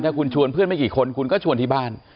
ถ้าคุณชวนเพื่อนไม่กี่คนคุณก็ชวนที่บ้าน